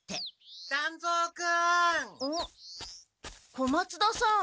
小松田さん。